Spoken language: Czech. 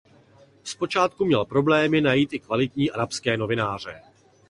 Zpočátku měl problémy najít i kvalitní arabské novináře.